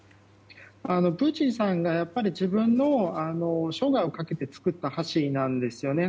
プーチンさんが自分の生涯をかけて造った橋なんですよね。